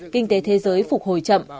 kinh tế thế giới phục hồi chậm